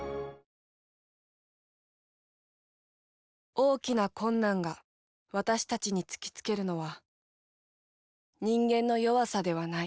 大きな困難が私たちに突きつけるのは人間の弱さではない。